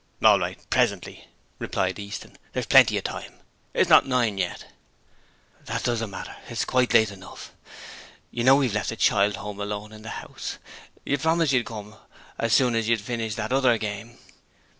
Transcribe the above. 'All right: presently,' replied Easton. 'There's plenty of time; it's not nine yet.' 'That doesn't matter; it's quite late enough. You know we've left the child at home alone in the house. You promised you'd come as soon as you'd finished that other game.'